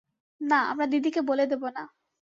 না, আমরা দিদিকে বলে দেব না।